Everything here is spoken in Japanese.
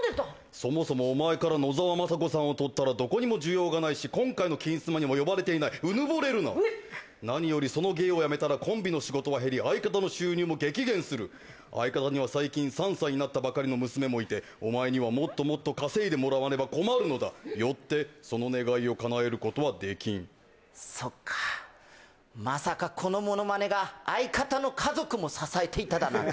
そもそもお前から野沢雅子さんを取ったらどこにも需要がないし今回の金スマにも呼ばれていないうぬぼれるなうっ何よりその芸をやめたらコンビの仕事は減り相方の収入も激減する相方には最近３歳になったばかりの娘もいてお前にはもっともっと稼いでもらわねば困るのだよってその願いを叶えることはできんそっかまさかこのものまねが相方の家族も支えていただなんて